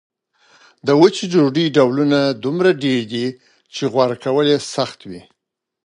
د وچې ډوډۍ ډولونه دومره ډېر دي چې غوره کول یې سخت وي.